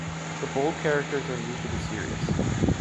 The bold characters are new to the series.